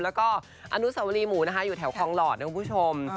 แล้วก็อนุสวรีหมูนะคะอยู่แถวคลองหลอดนะคุณผู้ชม